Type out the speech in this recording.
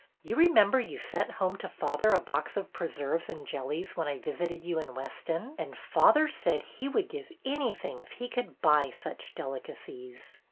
You remember you sent home to father a box of preserves and jellies when I visited you in Weston, and father said he would give anything if he could buy such delicacies."